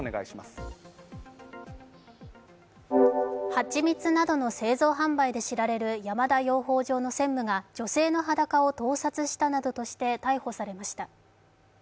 蜂蜜などの製造・販売で知られる山田養蜂場の専務が女性の裸を盗撮したなどとして逮捕されました。